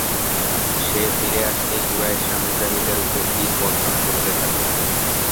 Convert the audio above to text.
সে ফিরে আসতেই কুরাইশরা মুজাহিদদের উপর তীর বর্ষণ করতে থাকে।